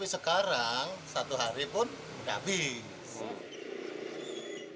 sekarang satu hari pun sudah habis